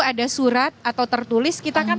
ada surat atau tertulis kita akan